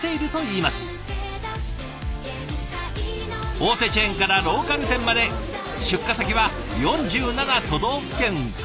大手チェーンからローカル店まで出荷先は４７都道府県くまなく。